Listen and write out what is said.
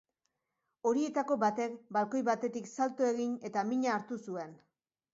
Horietako batek balkoi batetik salto egin eta mina hartu zuen.